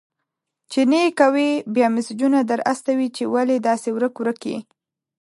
چي نې کوې، بيا مسېجونه در استوي چي ولي داسي ورک-ورک يې؟!